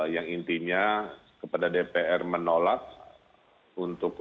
yang intinya kepada dpr menolak untuk